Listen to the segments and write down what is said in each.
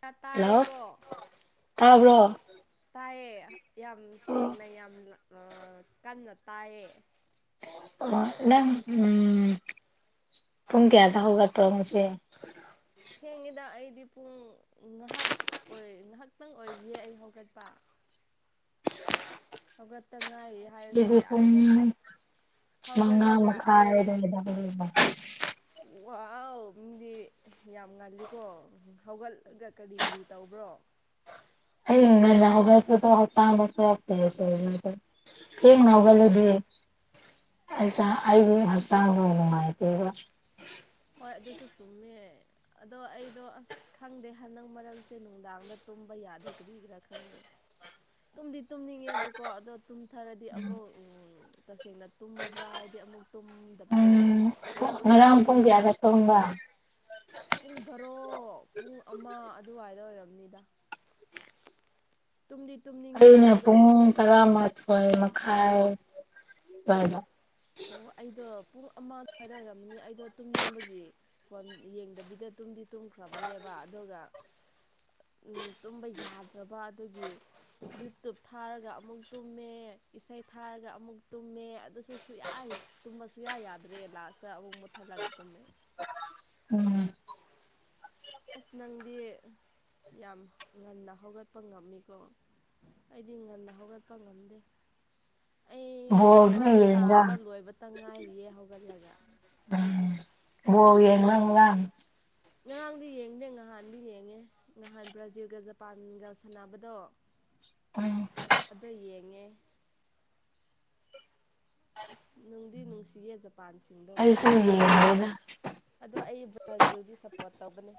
ꯀ ꯍꯜꯂꯣ ꯇꯔꯤꯀꯣ ꯇꯥꯕ꯭ꯔꯣ ꯊꯥꯏꯌꯦ ꯌꯥꯝ ꯑꯣ ꯁꯦꯡꯅ ꯌꯥꯝ ꯀꯟꯅ ꯇꯥꯏꯌꯦ ꯑ ꯅꯪ ꯎꯝ ꯇꯨꯡ ꯀꯌꯥꯗ ꯍꯧꯒ ꯄ꯭ꯔꯣꯃꯁꯦ ꯊꯦꯡꯉꯤꯗ ꯑꯩꯗꯤ ꯄꯨꯡ ꯉꯥꯏꯍꯥꯛ ꯑꯣꯏ ꯉꯥꯏꯍꯥꯛꯇꯪ ꯑꯣꯏꯔꯤꯌꯦ ꯑꯩ ꯍꯧꯒꯠꯄ [inaudible] ꯍꯧꯒꯠꯇ ꯉꯥꯏꯔꯤ ꯍꯥꯏꯔꯁꯨ ꯁꯤꯗꯤ ꯄꯨꯡ ꯌꯥꯏꯗ ꯃꯉꯥ ꯍꯧꯒꯠꯂꯒ ꯃꯈꯥꯏ ꯑꯩ ꯑꯗ꯭ꯋꯥꯏꯗꯨꯗ ꯍꯧꯒꯠꯂꯕ ꯋꯥꯎ ꯌꯥꯝ ꯉꯜꯂꯤꯀꯣ ꯍꯧꯒꯠꯂꯒ ꯀꯔꯤ ꯀꯔꯤ ꯇꯧꯕ꯭ꯔꯣ ꯎꯝ ꯉꯟꯅ ꯍꯧꯒꯠꯄꯗꯣ ꯍꯛꯆꯥꯡꯗꯣ ꯈꯔꯥ ꯐ꯭ꯔꯦꯁ [unintelligible] ꯊꯦꯡꯅ ꯍꯧꯒꯠꯂꯗꯤ [unintelligible] ꯑꯩꯒꯤ ꯍꯛꯆꯥꯡꯗꯣ ꯅꯨꯡꯉꯥꯏꯇꯦꯕ ꯍꯣꯏ ꯑꯗꯨꯁꯨ ꯆꯨꯝꯃꯦ ꯑꯗꯣ ꯑꯩꯗꯣ ꯑꯁ ꯈꯪꯗꯦ ꯍꯟꯗꯛ ꯃꯔꯛꯁꯦ ꯅꯨꯡꯗꯥꯡꯗ ꯇꯨꯝꯕ ꯌꯥꯗꯦ ꯀꯔꯤꯒꯤꯔꯥ ꯈꯪꯗꯦ ꯇꯨꯝꯗꯤ ꯇꯨꯝꯅꯤꯡꯉꯦꯕꯀꯣ ꯑꯗꯣ ꯇꯨꯝꯊꯔꯗꯤ ꯑꯃꯨꯛ ꯇꯁꯦꯡꯅ ꯇꯨꯝꯃꯕ꯭ꯔꯥ ꯍꯥꯏꯗꯤ ꯑꯃꯨꯛ ꯇꯨꯝ ꯇꯨꯝꯗꯕꯗꯣ ꯎꯝ ꯇꯨꯝꯗꯤ ꯉꯔꯥꯡ ꯄꯨꯡ ꯇꯨꯝꯅꯤꯡꯕ ꯀꯌꯥꯗ ꯇꯨꯝꯕ꯭ꯔꯥ ꯄꯨꯡ ꯚꯔꯣ ꯄꯨꯡ ꯑꯃ ꯑꯗꯨꯋꯥꯏꯗ ꯑꯣꯏꯔꯝꯅꯤꯗ ꯇꯨꯝꯗꯤ ꯇꯨꯝꯅꯤꯡꯉꯦ ꯑꯩꯩꯅ ꯑꯗꯨꯒ ꯄꯨꯡ ꯇꯔꯥꯃꯥꯊꯣꯏ ꯃꯈꯥꯏ ꯑꯗ꯭ꯋꯥꯏꯗ ꯑꯣ ꯑꯩꯗꯣ ꯄꯨꯡ ꯑꯃ ꯑꯗꯨꯋꯥꯏꯗ ꯑꯣꯏꯔꯝꯅꯤ ꯑꯩꯗꯣ ꯇꯨꯝꯅꯤꯡꯕꯒꯤ ꯐꯣꯟ ꯌꯦꯡꯗꯕꯤꯗ ꯇꯨꯝꯗꯤ ꯇꯨꯝꯈ꯭ꯔꯕꯅꯦꯕ ꯑꯗꯨꯒ ꯎꯝ ꯇꯨꯝꯕ ꯌꯥꯗ꯭ꯔꯕ ꯑꯗꯨꯒꯤ ꯌꯨꯇꯨꯞ ꯊꯥꯔꯒ ꯑꯃꯨꯛ ꯇꯨꯝꯃꯦ ꯏꯁꯩ ꯊꯥꯔꯒ ꯑꯃꯨꯛ ꯇꯨꯝꯃꯦ ꯑꯗꯨꯁꯨ ꯁꯨꯌꯥꯏ ꯇꯨꯝꯕ ꯁꯨꯨꯡꯌꯥ ꯌꯥꯗ꯭ꯔꯦ ꯂꯥꯁꯇ ꯑꯃꯨꯛ ꯃꯨꯊꯠꯂꯒ ꯇꯨꯝꯃꯦ ꯎꯝ ꯑꯁ ꯅꯪꯗꯤ ꯌꯥꯝ ꯉꯟꯅ ꯍꯧꯒꯠꯄ ꯉꯝꯃꯤꯀꯣ ꯑꯩꯗꯤ ꯉꯟꯅ ꯍꯧꯒꯠꯄ ꯉꯝꯗꯦ ꯑꯩ ꯕꯣꯜꯗꯤ ꯃꯥꯏ ꯌꯦꯡꯕ꯭ꯔꯥ ꯇꯥꯕ ꯂꯣꯏꯕꯇ ꯉꯥꯏꯔꯤꯌꯦ ꯍꯧꯒꯠꯂꯒ ꯎꯝ ꯕꯣꯜ ꯌꯦꯡꯕ꯭ꯔꯥ ꯉꯔꯥꯡ ꯉꯔꯥꯡꯗꯤ ꯌꯦꯡꯗꯦ ꯉꯥꯡ ꯅꯍꯥꯟꯗꯤ ꯌꯦꯡꯉꯦ ꯅꯍꯥꯟ ꯕ꯭ꯔꯥꯖꯤꯜꯒ ꯖꯄꯥꯟꯒ ꯁꯥꯟꯅꯕꯗꯣ ꯎꯝ ꯑꯗ ꯌꯦꯡꯉꯦ ꯑꯁ ꯅꯨꯡꯗꯤ ꯅꯨꯡꯁꯤꯌꯦꯦ ꯖꯄꯥꯟꯁꯤꯡꯗꯣ ꯑꯩꯁꯨ ꯉꯝꯗꯕꯗꯣ ꯌꯦꯡꯉꯦꯗ ꯑꯗꯣ ꯑꯩ ꯕ꯭ꯔꯥꯖꯤꯜꯗꯤ ꯁꯞꯄꯣꯔꯠ ꯇꯧꯕꯅꯦ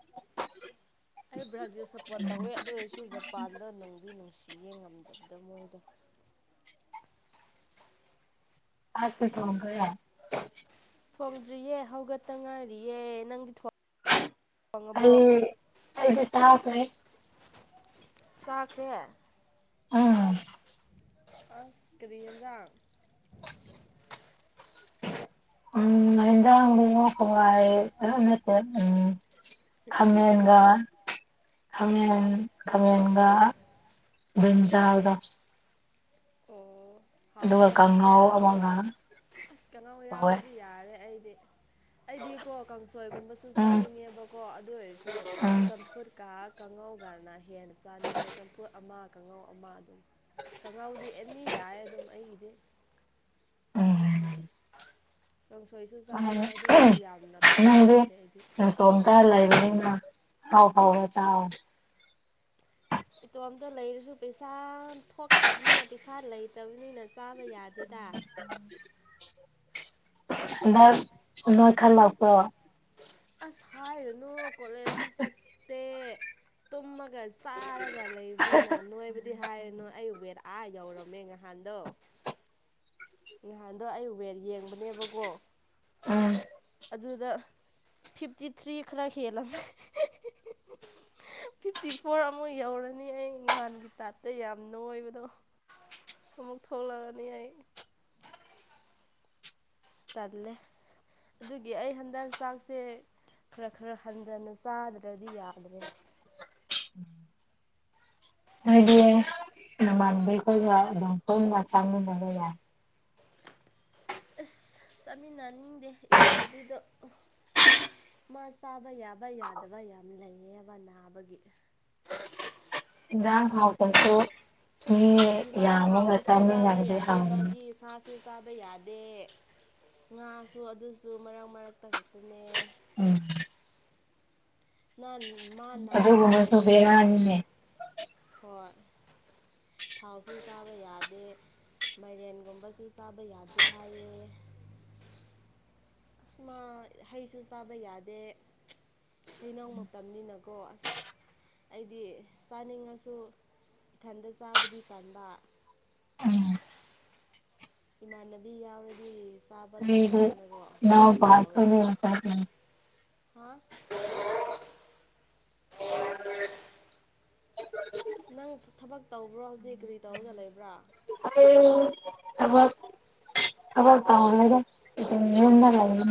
ꯑꯩ ꯕ꯭ꯔꯥꯖꯤꯜ ꯁꯞꯄꯣꯠ ꯇꯧꯋꯦ ꯑꯗꯨ ꯑꯣꯏꯁꯨ ꯖꯄꯥꯟꯗ ꯅꯨꯡꯗꯤ ꯅꯨꯡꯁꯤꯌꯦ ꯉꯝꯗꯕ ꯗ ꯃꯣꯏꯗ ꯍꯥꯔꯠꯇ ꯊꯣꯝꯈ꯭ꯔꯦ ꯊꯣꯡꯗ꯭ꯔꯤꯌꯦ ꯍꯧꯒꯠꯇ ꯉꯥꯏꯔꯤꯌꯦ ꯅꯪꯗꯤ ꯊꯣ ꯑꯩ ꯑꯩꯗꯤ ꯆꯥꯈ꯭ꯔꯦ ꯆꯥꯈ꯭ꯔꯦ ꯑ ꯑꯁ ꯀꯔꯤ ꯍꯦꯟꯖꯥꯡ ꯎꯝ ꯍꯦꯟꯖꯥꯡ ꯗꯨꯅ ꯍꯋꯥꯏ ꯑꯩ ꯅꯠꯇꯦ ꯎꯝ ꯈꯥꯃꯦꯟꯒ ꯈꯥꯃꯦꯟ ꯈꯥꯃꯦꯟꯒ ꯕ꯭ꯔꯤꯟꯖꯥꯜꯒ ꯑꯣ ꯑꯗꯨꯒ ꯍꯥꯎꯕ꯭ꯔꯣ ꯀꯥꯡꯉꯧ ꯑꯃꯒ ꯑꯁ ꯀꯅꯣ ꯇꯧꯋꯦ ꯌꯥꯎꯔꯗꯤ ꯌꯥꯔꯦ ꯑꯩꯗꯤ ꯑꯩꯗꯤꯀꯣ ꯀꯥꯡꯁꯣꯏꯒꯨꯝꯕꯁꯨ ꯎꯝ ꯆꯥꯅꯤꯡꯉꯦꯕꯀꯣ ꯑꯗꯨ ꯑꯣꯏꯔꯁꯨ ꯎꯝ ꯆꯝꯐꯨꯠꯀ ꯀꯥꯡꯉꯧꯒꯅ ꯍꯦꯟꯅ ꯆꯥꯅꯤꯡꯉꯦ ꯆꯝꯐꯨꯠ ꯑꯃ ꯀꯥꯡꯉꯥꯎ ꯑꯃ ꯑꯗꯨꯝ ꯀꯥꯡꯉꯥꯎꯗꯤ ꯑꯦꯅꯤ ꯌꯥꯏ ꯑꯗꯨꯝ ꯑꯩꯒꯤꯗꯤ ꯎꯝ ꯀꯥꯡꯁꯣꯏꯁꯨ ꯆꯥꯅꯤꯡꯉꯦ ꯑꯗꯨꯏꯁꯨ ꯌꯥꯝꯅ ꯄꯥꯝꯕ ꯅꯪꯗꯤ ꯅꯠꯇꯦ ꯑꯩꯗꯤ ꯅꯇꯣꯝꯇ ꯂꯩꯕꯅꯤꯅ ꯍꯥꯎ ꯍꯥꯎꯅ ꯆꯥꯎ ꯏꯇꯣꯝꯇ ꯂꯩꯔꯁꯨ ꯄꯩꯁꯥ ꯊꯣꯛꯇꯕꯅꯤꯅ ꯄꯩꯁꯥ ꯂꯩꯇꯕꯅꯤꯅ ꯆꯥꯕ ꯌꯥꯗꯦꯗ ꯍꯟꯗꯛ ꯅꯣꯏ ꯈꯜꯂꯛꯄ꯭ꯔꯣ ꯁꯥꯏꯔꯨꯅꯨ ꯀꯣꯂꯦꯖꯁꯨ ꯆꯠꯇꯦ ꯇꯨꯝꯃꯒ ꯆꯥꯔꯒ ꯀ ꯂꯩꯕꯅꯤꯅ ꯅꯣꯏꯕꯨꯗꯤ ꯍꯥꯏꯔꯤꯨꯅꯨ ꯑꯩ ꯋꯦꯠ ꯑꯥ ꯌꯧꯔꯝꯃꯦ ꯉꯍꯥꯟꯗꯣ ꯅꯍꯥꯟꯗꯣ ꯑꯩ ꯋꯦꯠ ꯌꯦꯡꯕꯅꯦꯕꯀꯣ ꯎꯝ ꯑꯗꯨꯗ ꯐꯤꯞꯇꯤ ꯊ꯭ꯔꯤ ꯈꯔ ꯍꯦꯜꯂꯝꯃꯦ [unintelligible] ꯐꯤꯐꯇꯤ ꯐꯣꯔ ꯑꯃꯨꯛ ꯌꯧꯔꯅꯤ ꯑꯩ ꯅꯍꯥꯟꯒꯤ ꯇꯥꯏꯞꯇ ꯌꯥꯝꯅ ꯑꯣꯏꯕꯗꯣ ꯑꯃꯨꯛ ꯊꯣꯡꯂꯛꯑꯅꯤ ꯑꯩ ꯇꯜꯂꯦ ꯑꯗꯨꯒꯤ ꯑꯩ ꯍꯟꯗꯛ ꯆꯥꯛꯁꯦ ꯈꯔ ꯈꯔ ꯍꯟꯊꯅ ꯆꯥꯗ꯭ꯔꯗꯤ ꯌꯥꯗ꯭ꯔꯦ ꯍꯥꯏꯦ ꯅ ꯀ ꯗꯝ ꯇꯣ ꯃꯥ ꯆꯥꯡ ꯃ ꯌꯥ [unintelligible] ꯑꯁ ꯆꯥꯃꯤꯟꯅꯅꯤꯡꯗꯦ ꯏꯃꯥꯟꯅꯕꯤꯗꯣ ꯃꯥ ꯆꯥꯕ ꯌꯥꯕ ꯌꯥꯗꯕ ꯌꯥꯝ ꯂꯩꯌꯦꯕ ꯅꯥꯕꯒꯤ ꯌꯥ ꯍꯥꯎ ꯇꯁꯨ ꯌꯦꯟꯖꯥꯡ ꯍꯥꯎꯕꯁꯨ ꯆꯥꯕ ꯌꯥꯗꯦ ꯍꯥꯎꯕꯅꯤ ꯃꯥꯗꯤ ꯁꯥꯁꯨ ꯆꯥꯕ ꯌꯥꯗꯦ ꯑꯗ ꯉꯥꯁꯨ ꯑꯗꯨꯁꯨ ꯃꯔꯛ ꯃꯔꯛꯇ ꯈꯛꯇꯅꯦ ꯎꯝ ꯃꯥ ꯅꯥꯔꯤꯌꯦ ꯑꯗꯨꯒꯨꯝꯕꯁꯨ ꯂꯥꯏꯌꯦꯡꯉꯤꯌꯦ ꯕꯦꯔꯥꯅꯤꯅꯦ ꯍꯣꯏ [unintelligible] ꯊꯥꯎꯁꯨ ꯆꯥꯕ ꯌꯥꯗꯦ ꯃꯥꯏꯔꯦꯟꯒꯨꯝꯕꯁꯨ ꯆꯥꯕ ꯌꯥꯗꯦ ꯍꯥꯏꯌꯦ [unintelligible] ꯑꯁꯃ ꯍꯩꯁꯨ ꯆꯥꯕ ꯌꯥꯗꯦ ꯍꯩꯅꯧ ꯃꯇꯝꯅꯤꯅꯀꯣ ꯑꯁ ꯑꯩꯗꯤ ꯆꯥꯅꯤꯡꯉꯁꯨ ꯏꯊꯟꯗ ꯆꯥꯕꯨꯗꯤ ꯇꯥꯟꯕ ꯎꯝ ꯏꯃꯥꯟꯅꯕꯤ ꯌꯥꯎꯔꯗꯤ ꯆꯥꯕ ꯍꯗꯤ ꯅꯨꯡꯉꯥꯏꯗꯅꯀꯣ ꯅꯎ ꯍꯦꯟꯅ ꯍꯥꯎꯋꯦꯅ ꯄꯥꯊꯅꯦ ꯍꯥ ꯅꯪ ꯊꯕꯛ ꯇꯧꯕ꯭ꯔꯣ ꯍꯧꯖꯤꯛ ꯀꯔꯤ ꯇꯧꯔꯒ ꯂꯩꯕ꯭ꯔꯥ [unintelligible] ꯊꯕꯛ ꯈꯕꯔ ꯄꯍ ꯂꯩꯗ ꯌꯝꯗ ꯂ [unintelligible]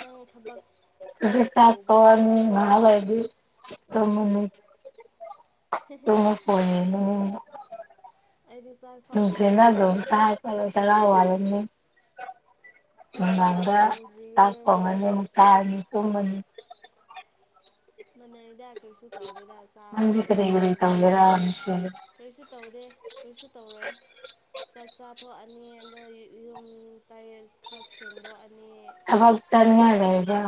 ꯅꯪ ꯊꯕꯛ ꯈꯔ ꯁꯤ ꯇꯧꯕ ꯊꯥꯄꯋꯥꯅꯤ ꯃꯥꯟꯕ ꯃꯥꯕꯥꯏꯗꯤ ꯁꯃ [unintelligible] ꯇꯨꯃ ꯐꯣꯟꯣꯟ ꯑꯩꯗꯤ ꯆꯥꯛ ꯐꯥꯎ ꯐꯅ ꯑꯗꯨꯣ ꯊꯣꯡꯗ꯭ꯔꯤꯗ ꯆ ꯆꯔ ꯋꯥꯅꯤ ꯎ ꯑꯩꯗꯤ ꯆꯥꯛ ꯉꯥꯡꯒ ꯊꯣꯡꯗ꯭ꯔꯤꯌꯦ ꯇꯥꯛꯄꯣꯡꯉꯅꯤ ꯊꯥꯔꯅꯤ ꯇꯨꯝꯃꯅꯤ ꯃꯅꯩꯗ ꯀꯔꯤꯁꯨ ꯇꯧꯗꯦ ꯅꯪꯗꯤ ꯆꯥꯕꯒ ꯀꯔꯤ ꯀꯔꯤ ꯇꯨꯝꯕꯒ ꯇꯧꯒꯦꯔꯥ ꯉꯁꯤꯗꯤ ꯀꯔꯤꯁꯨ ꯇꯧꯗꯦ ꯀꯔꯤꯁꯨ ꯇꯧꯔꯦꯏ ꯆꯥꯛ ꯆꯥ ꯑꯅꯤ ꯑꯗꯣ ꯌꯨꯝ ꯇꯔꯠ ꯈꯔ ꯁꯦꯡꯗꯣꯛꯑꯅꯤ ꯑꯐꯛ ꯆꯠꯅꯤꯉꯥꯏ ꯂꯩꯕ꯭ꯔ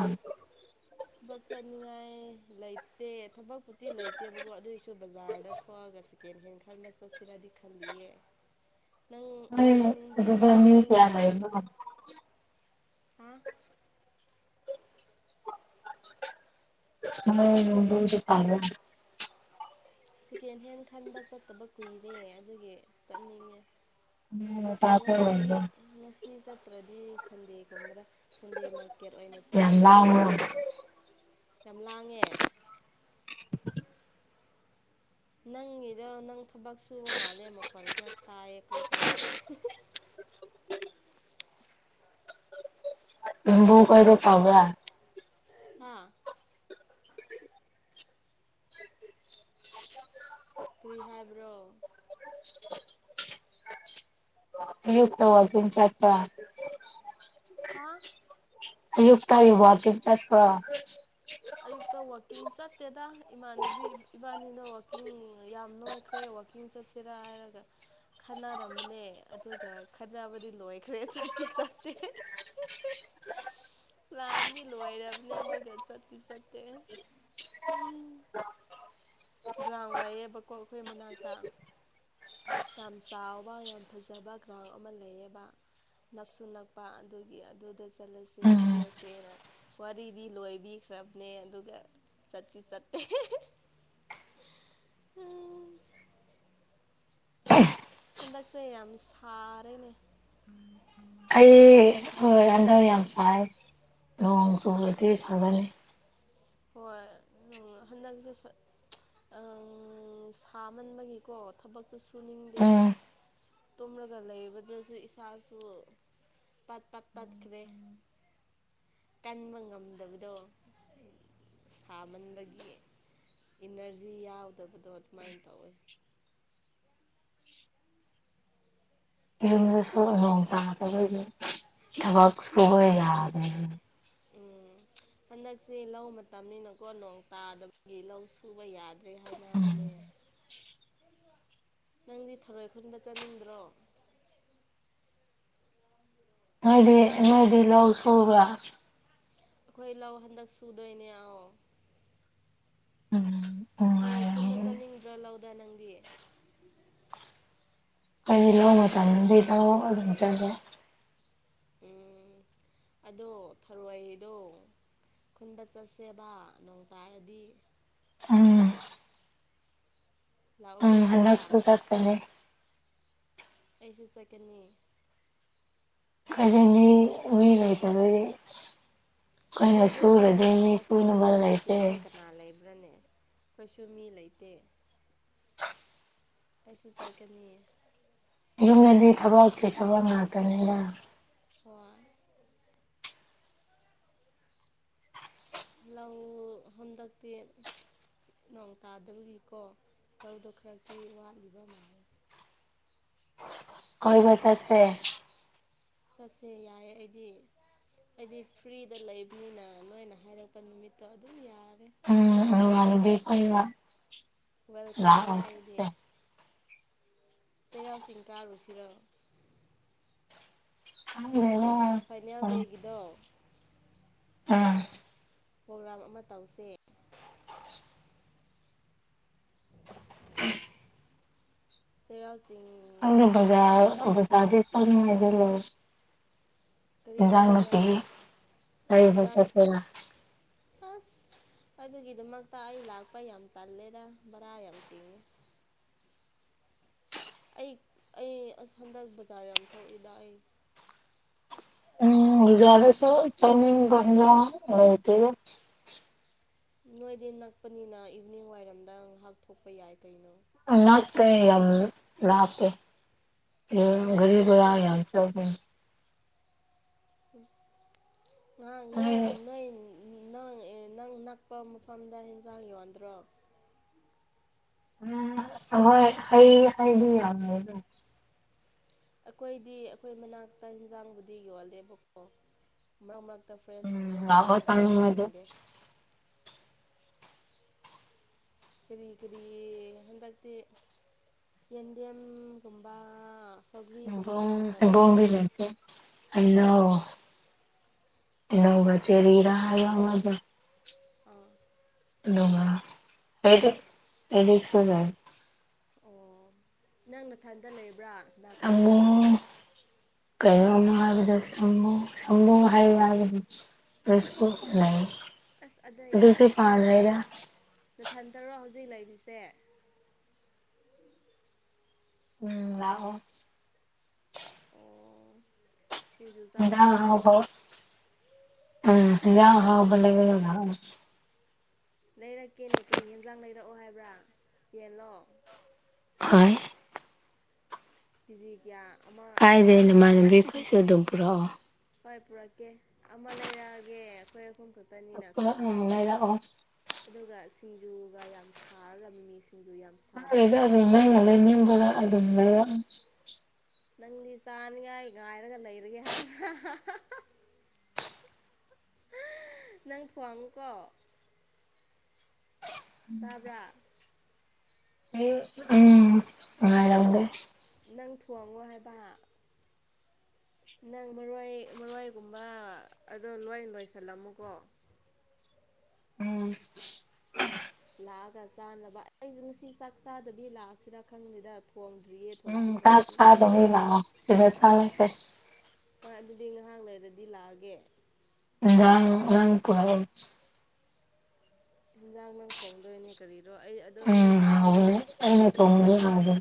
ꯛ ꯆꯠꯅꯤꯡꯉꯥꯏ ꯂꯩꯇꯦ ꯊꯕꯛꯄꯨꯗꯤ ꯂꯩꯇꯦꯕꯀꯣ ꯑꯗꯨꯑꯣꯏꯁꯨ ꯕꯖꯥꯔꯗ ꯊꯣꯛꯑꯒ ꯁꯤ ꯀꯦꯟꯍꯦꯟ ꯈꯟꯕ ꯆꯠꯁꯤꯔꯗꯤ ꯈꯜꯂꯤꯌꯦ ꯅꯪ ꯑ ꯆꯠꯅꯤꯡꯕ꯭ꯔꯣ ꯑꯗꯨꯗ ꯆꯠꯅꯤꯡꯗ꯭ꯔꯣ ꯀꯌꯥ ꯍꯥ ꯑꯩ ꯁꯦꯀꯦ ꯍꯣꯏꯗꯁꯨ ꯄꯥ ꯁꯦꯀꯦꯟ ꯍꯦꯟ ꯈꯟꯕ ꯆꯠꯇꯕ ꯀꯨꯏꯔꯦ ꯑꯗꯨꯒꯤ ꯆꯠꯅꯤꯡꯉꯦ ꯅꯣꯏ ꯅꯆꯥꯈꯣꯏ ꯉꯁꯤ ꯂꯩꯕ꯭ꯔꯥ ꯉꯁꯤ ꯆꯠꯇ꯭ꯔꯗꯤ ꯁꯟꯗꯦꯒꯨꯝꯕꯗ ꯁꯟꯗꯦ ꯃꯥꯔꯀꯦꯠ ꯑꯣꯏꯅ ꯌꯥꯝ ꯆꯠꯁꯤꯔ ꯂꯥꯡꯕ꯭ꯔꯣ ꯈꯪꯗꯦꯗ ꯌꯥꯝ ꯂꯥꯡꯉꯦ [unintelligible] ꯅꯪꯒꯤꯗ ꯅꯪ ꯊꯕꯛ ꯁꯨꯕ ꯃꯥꯜꯂꯦ ꯃꯈꯣꯟ ꯈꯔ ꯇꯥꯏꯌꯦ ꯀ꯭ꯔꯣ ꯀ꯭ꯔꯣ ꯀ꯭ꯔꯣ [unintelligible] ꯕꯨ ꯑꯣꯏꯕ ꯄꯥꯝꯕ꯭ꯔꯥ ꯍꯥꯥ ꯀꯔꯤ ꯍꯥꯏꯕ꯭ꯔꯣ ꯑꯌꯨꯛꯇ ꯋꯥꯛ ꯀꯤꯡ ꯆꯠꯄ꯭ꯔꯥ ꯍꯥ ꯑꯌꯨꯛꯇ ꯑꯩ ꯋꯥꯛꯀꯤꯡ ꯆꯠꯄ꯭ꯔꯣ ꯋꯥꯥꯛꯀꯤꯡ ꯆꯠꯇꯦꯗ ꯏꯃꯥꯟꯅꯕꯤ ꯏꯕꯥꯅꯤꯅ ꯋꯥꯛꯀꯤꯡ ꯌꯥꯝ ꯅꯣꯏꯈ꯭ꯔꯦ ꯋꯥꯛꯀꯤꯡ ꯆꯠꯁꯤ ꯔꯥ ꯍꯥꯏ ꯔꯒ ꯈꯟꯅꯔꯝꯕꯅꯦ ꯑꯗꯨꯒ ꯈꯟꯅꯕꯗꯤ ꯂꯣꯏꯈ꯭ꯔꯦ ꯆꯠꯇꯤ ꯆꯠꯇꯦ ꯄ꯭ꯂꯥꯟꯗꯤ ꯂꯣꯏꯔꯕꯅꯦ ꯑꯗꯨꯒ ꯆꯠ ꯇꯤ ꯆꯠꯇꯦ ꯎꯝ ꯒ꯭ꯔꯥꯎꯟ ꯂꯌꯦꯕꯀꯣ ꯑꯈꯣꯏ ꯃꯅꯥꯛꯇ ꯌꯥꯝ ꯆꯥꯎꯕ ꯌꯥꯝ ꯐꯖꯕ ꯒ꯭ꯔꯥꯎꯟ ꯑꯃ ꯂꯩꯌꯦꯕ ꯅꯛꯁꯨ ꯅꯛꯄ ꯑꯗꯨꯒꯤ ꯑꯗꯨꯗ ꯆꯠꯂꯁꯦ ꯎꯝ ꯈꯣꯠꯂꯁꯦꯅ ꯋꯥꯔꯤꯗꯤ ꯂꯣꯏꯕꯤ ꯈ꯭ꯔꯕꯅꯦ ꯑꯗꯨꯒ ꯆꯠꯇꯤ ꯆꯠꯇꯦ ꯍꯟꯗꯛꯁꯦ ꯌꯥꯝ ꯁꯥꯔꯦꯅꯦ ꯑꯩ ꯑꯡ ꯍꯟꯗꯛ ꯌꯥꯝ ꯁꯥꯏ ꯅꯣꯡ ꯆꯨꯔꯗꯤ ꯐꯒꯅꯤ ꯍꯣꯏ ꯍꯟꯗꯛꯁꯦ ꯁꯥꯃꯟꯕꯒꯤꯀꯣ ꯊꯕꯛꯁꯨ ꯁꯨꯅꯤꯡꯗꯦ ꯎꯝ ꯇꯨꯝꯔꯒ ꯂꯩꯕꯗꯁꯨ ꯏꯁꯥꯁꯨ ꯄꯠ ꯄꯠ ꯇꯠꯈ꯭ꯔꯦ ꯀꯟꯕ ꯉꯝꯗꯕꯗꯣ ꯁꯥꯃꯟꯕꯒꯤ ꯏꯅꯔꯖꯤ ꯌꯥꯎꯗꯕꯗꯣ ꯑꯗꯨꯃꯥꯏꯅ ꯇꯧꯋꯤ ꯌꯨꯝꯗꯁꯨ ꯅꯣꯡ ꯇꯥꯗꯕꯒꯤ ꯊꯕꯛ ꯁꯨꯕ ꯌꯥꯗꯦꯅꯦ ꯎꯝ ꯍꯟꯗꯛꯁꯦ ꯂꯧ ꯃꯇꯝꯅꯤꯅꯀꯣ ꯅꯣꯡ ꯇꯥꯗꯕꯒꯤ ꯂꯧ ꯁꯨꯕ ꯌꯥꯗ ꯗ꯭ꯔꯦ ꯍꯥꯏꯅꯕꯅꯦ ꯅꯪꯗꯤ ꯊꯔꯣꯏ ꯈꯨꯟꯕ ꯆꯠꯅꯤꯡꯗ꯭ꯔꯣ ꯅꯣꯏꯗꯤ ꯅꯣꯏꯗꯤ ꯂꯧ ꯁꯨꯕ꯭ꯔꯥ ꯑꯩꯈꯣꯏ ꯂꯧ ꯍꯟꯗꯛ ꯁꯨꯗꯣꯏꯅꯦ ꯑꯧ ꯎꯝ ꯊꯧꯔꯣꯏ ꯈꯨꯟꯕ ꯅꯨꯡꯉꯥꯏꯔꯝꯒꯅꯤ ꯆꯠꯅꯤꯡꯗ꯭ꯔ ꯂꯧꯗ ꯅꯪꯗꯤ ꯑꯩꯗꯤ ꯂꯧ ꯃꯇꯝꯗꯗꯤ ꯂꯧ ꯑꯗꯨꯝ ꯆꯠꯂꯦ ꯎꯝ [inaudible] ꯑꯗꯣ ꯊꯔꯣꯏꯗꯣ ꯈꯨꯟꯕ ꯆꯠꯁꯦꯕ ꯅꯣꯡ ꯇꯥꯔꯗꯤ ꯎꯝ ꯎꯝ ꯂꯥꯛꯑꯣꯀꯣ ꯑꯩꯈꯣꯏꯗ ꯍꯟꯗꯛꯁꯨ ꯆꯠꯀꯅꯤ ꯑꯩꯁꯨ ꯆꯠꯀꯅꯤ ꯀꯔꯤ ꯃꯤ ꯃꯤ ꯂꯩꯇꯕꯩ ꯑꯈꯣꯏꯁꯨ ꯆꯞ ꯃꯥꯟꯅꯩꯌꯦ ꯈꯣꯏꯁꯨ ꯃꯤ ꯂꯩꯇꯦ ꯈꯣꯏ ꯀꯅꯥ ꯂꯩꯕ꯭ꯔꯥꯅꯦ ꯈꯣꯏꯁꯨ ꯃꯤ ꯂꯩꯇꯦ ꯑꯩꯁꯨ ꯆꯠꯀꯅꯤꯌꯦ ꯌꯨꯝꯗꯗꯤ ꯊꯕꯛꯀꯤ ꯊꯕꯛ ꯉꯥꯛꯇꯅꯤꯗ ꯍꯣꯏ ꯂꯧ ꯍꯟꯗꯛꯇꯤ ꯅꯣꯡ ꯇꯥꯗꯕꯒꯤꯀꯣ ꯂꯧꯗꯣ ꯈꯔꯛꯇꯤ ꯋꯥꯠꯂꯤꯕ ꯃꯥꯜꯂꯦ ꯀꯣꯏꯕ ꯆꯠꯁꯦ ꯆꯠꯁꯦ ꯌꯥꯏꯌꯦ ꯑꯩꯗꯤ ꯑꯩꯗꯤ ꯐ꯭ꯔꯤꯗ ꯂꯩꯕꯅꯤꯅ ꯅꯣꯏꯅ ꯍꯥꯏꯔꯛꯄ ꯅꯨꯃꯤꯠꯇꯣ ꯑꯗꯨꯝ ꯌꯥꯔꯦ ꯋꯥ ꯀ ꯋꯦꯜꯀꯝꯅꯦ ꯑꯩꯗꯤ ꯆꯩꯦꯔꯥꯎ ꯁꯤꯁꯤꯡꯤꯡꯀꯥ ꯔꯨꯁꯤꯔ ꯈꯪꯗꯦꯗ ꯐꯨꯠꯕꯣꯜ ꯐꯥꯏꯅꯦꯜ ꯗꯦꯒꯤꯗꯣ ꯑꯥ ꯄ꯭ꯔꯣꯒ꯭ꯔꯥꯝ ꯑꯃ ꯇꯧꯁꯦ [unintelligible] ꯁꯤꯔꯥꯁ ꯑꯗ ꯕꯖꯥ ꯕꯖꯥꯗ ꯁꯗꯂꯣ ꯀꯔꯤ ꯖꯥꯡꯅꯠꯇ ꯂꯩꯅꯤꯡꯉꯥꯏꯔ ꯏꯟꯖꯥꯡ ꯀꯏꯕꯁꯁꯔ ꯑꯁ ꯑꯗꯨꯒꯤꯗꯃꯛꯇ ꯑꯩ ꯂꯥꯛꯄ ꯌꯥꯝ ꯇꯜꯂꯦꯗ ꯚꯔꯥ ꯌꯥꯝ ꯇꯤꯡꯉꯦ ꯑꯩ ꯑꯩ ꯑꯁ ꯍꯟꯗꯛ ꯕꯖꯥꯔ ꯌꯥꯝ ꯊꯣꯛꯏꯗ ꯑꯩ ꯎꯖꯔꯦꯁ ꯆꯃꯤ ꯄꯪꯖꯥ ꯅꯇ ꯅꯣꯏꯗꯤ ꯅꯛꯄꯅꯤꯅ ꯏꯚꯅꯤꯡ ꯋꯥꯏꯔꯝꯗ ꯉꯥꯏꯍꯥꯛ ꯊꯣꯛꯄ ꯌꯥꯏ ꯀꯩꯅꯣ ꯉꯇꯩ ꯌꯥꯝ ꯂꯥꯛꯄꯦ ꯔꯤꯕ ꯂꯥꯞꯇꯦꯗ ꯍ ꯆ ꯑ ꯅꯣꯏ ꯍꯣꯏ ꯅꯣꯏ ꯅꯪ ꯅꯪ ꯅꯛꯄ ꯃꯐꯝꯗ ꯑꯦꯟꯁꯥꯡ ꯌꯣꯟꯗ꯭ꯔꯣ ꯍꯣꯏ ꯑꯩ ꯑꯩꯈꯣꯏꯗꯤ ꯑꯩꯈꯣꯏ ꯃꯅꯥꯛꯇ ꯌꯦꯟꯖꯥꯡꯕꯨꯗꯤ ꯌꯣꯜꯂꯦꯕꯀꯣ ꯃꯔꯛ ꯃꯔꯛ ꯍꯛꯇ ꯐ꯭ꯔꯦꯁ ꯐꯪꯉꯦ ꯎꯝ ꯃꯔꯛ ꯂꯥꯛꯑꯣ ꯃꯔꯛꯇꯗꯤ ꯆꯥꯅꯤꯡꯉꯗꯤ ꯐꯪꯗꯦ ꯀꯔꯤ ꯀꯔꯤ ꯍꯟꯗꯛꯇꯤ ꯑꯦꯟꯗꯤ ꯑꯦꯝꯒꯨꯝꯕ ꯦ ꯑ ꯅ ꯆꯦꯔꯤꯔ ꯃꯗ ꯑꯥ ꯅꯨꯡꯉꯗꯤ ꯑꯦꯗꯤꯁ ꯑꯣ ꯅꯪ ꯃꯊꯟꯇ ꯂꯩꯕ꯭ꯔꯥ ꯀꯅꯥ ꯀꯅꯥ ꯂꯩꯕ꯭ꯔꯣ ꯀꯩꯅ ꯍꯥꯏꯕꯗ ꯁꯃ ꯁꯃꯨ ꯍꯥꯏꯕꯒ ꯐꯁ ꯑꯁ ꯑꯗꯨꯗ ꯌꯥꯔꯦ ꯇꯣꯛꯈ꯭ꯔꯣ ꯅꯊꯟꯗꯔꯣ ꯍꯧꯖꯤꯛ ꯖ ꯂꯥꯏꯕꯤꯁꯦ ꯎꯝ ꯂꯑꯣꯣ ꯑꯣ ꯁꯤꯡꯖꯨ ꯌꯥ ꯆꯥꯅꯤꯡꯗ꯭ꯔꯣ ꯍꯕ ꯎꯝ ꯌꯥ ꯍ ꯃꯒ ꯂꯩꯔꯛꯀꯦꯅꯦ ꯀꯔꯤ ꯌꯦꯦꯟꯖꯥꯡ ꯂꯩꯔꯛꯑꯣ ꯍꯥꯏꯕ꯭ꯔꯥ ꯌꯦꯟꯂꯣ ꯍ ꯀꯤꯖꯤ ꯀꯌꯥ ꯑꯃ ꯀꯥꯏꯗꯦ ꯏꯕꯥꯅꯤ ꯈꯛ ꯅꯃꯥꯟꯅꯕꯤ ꯀꯣꯏꯁꯨ ꯑꯗꯨꯝ ꯄꯨꯔꯛꯑꯣ ꯍꯣꯏ ꯄꯨꯔꯛꯀꯦ ꯑꯃ ꯂꯩꯔꯛꯑꯒꯦ ꯑꯩꯈꯣꯏ ꯑꯍꯨꯝ ꯈꯛꯇ ꯑꯗꯨꯒ ꯑꯔ ꯁꯤꯡꯖꯨꯒ ꯌꯥꯝ ꯁꯥꯔꯒ ꯃꯤꯃꯤꯁꯦ ꯑꯗ ꯑꯗꯨ ꯉꯅ ꯑꯗꯨ ꯃ ꯅꯪꯗꯤ ꯆꯥꯅꯤꯉꯥꯏ ꯉꯥꯏꯔꯒ ꯂꯩꯔꯒꯦ ꯍꯥꯏꯕ꯭ꯔꯥ ꯅꯪ ꯊꯋꯥꯉꯨꯀꯣ ꯇꯥꯕ꯭ꯔ ꯎꯝ ꯉꯉꯥꯏꯔꯗꯦ ꯈꯣꯡꯉꯣ ꯍꯥꯏꯕ ꯅꯪ ꯃꯔꯣꯏ ꯃꯔꯣꯏꯒꯨꯝꯕ ꯑꯗꯣ ꯂꯣꯏ ꯂꯣꯏꯁꯤꯜꯂꯝꯃꯨꯀꯣ [unintelligible] ꯎꯝ ꯂꯥꯛꯑꯒ ꯆꯥꯅꯕ ꯑꯩꯁꯦ ꯉꯁꯤ ꯆꯥꯛ ꯆꯥꯗꯕꯤ ꯂꯥꯛꯑꯁꯤꯔ ꯈꯪꯉꯦꯗ ꯊꯣꯡ ꯎꯝ ꯀꯥꯛ ꯊꯥꯗꯧ ꯂꯉꯣ ꯁꯤꯚꯦ ꯊꯁꯦ ꯍꯣꯏ ꯑꯗꯨꯗꯤ ꯉꯥꯏꯍꯥꯛ ꯂꯩꯔꯗꯤ ꯂꯥꯛꯑꯒꯦ ꯂ ꯅꯪ ꯀꯔ ꯍꯤꯟꯖꯥꯡ ꯅꯪ ꯊꯣꯡꯗꯣꯏꯅꯦ ꯀꯔꯤꯔꯣ ꯑꯩ ꯑꯗꯣ ꯎꯝ ꯅꯣꯏ ꯄꯥꯔꯀꯤꯡ ꯍꯥꯎꯕꯅꯦ ꯀꯔꯤ ꯑꯩꯅ ꯀꯔꯤꯗꯤ ꯊꯣꯡꯕꯗꯤ ꯑꯝꯇ ꯍꯥꯎꯕꯅꯦ ꯈ